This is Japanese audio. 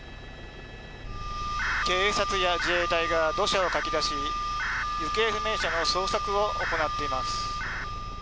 警察や自衛隊が土砂をかき出し、行方不明者の捜索を行っています。